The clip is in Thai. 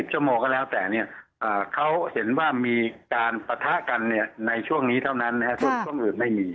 ๔๐ชั่วโมก็แล้วแต่เนี่ยเขาเห็นว่ามีการปะทะกันในช่วงนี้เท่านั้นนะครับ